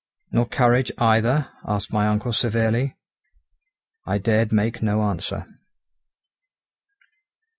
"Nor courage either?" asked my uncle severely. I dared make no answer.